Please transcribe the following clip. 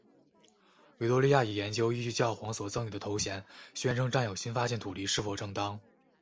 维多利亚也研究依据教皇所赠与的头衔宣称占有新发现土地是否正当。